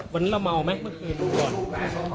วันนี้เราเมาไหมเมื่อคืนดูก่อน